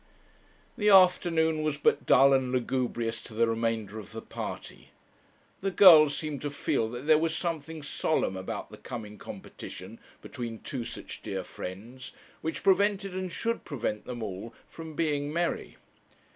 The afternoon was but dull and lugubrious to the remainder of the party. The girls seemed to feel that there was something solemn about the coming competition between two such dear friends, which prevented and should prevent them all from being merry.